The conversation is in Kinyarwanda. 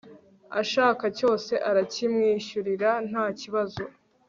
ashaka cyose arakimwishyurira ntakibazo